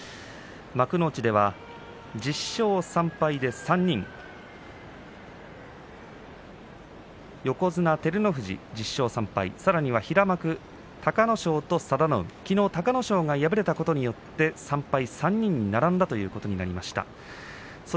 幕内では１０勝３敗で３人横綱照ノ富士、１０勝３敗さらに平幕、隆の勝と佐田の海きのう、隆の勝が敗れたことによって３敗３人並んだということなりました。